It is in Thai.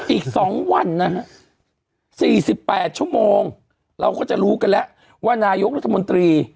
อีก๒วันนะฮะ๔๘ชั่วโมงเราก็จะรู้กันแล้วว่านายกรัฐมนตรี